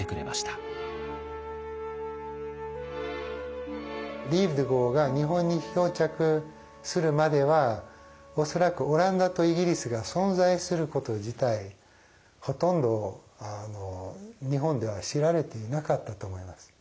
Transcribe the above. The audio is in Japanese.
「リーフデ号」が日本に漂着するまでは恐らくオランダとイギリスが存在すること自体ほとんど日本では知られていなかったと思います。